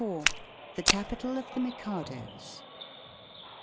THE CAPITAL OF THE MIZADOS.